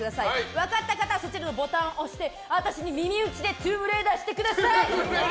分かった方はそちらのボタンを押して私に耳打ちでトゥームレイダーしてください。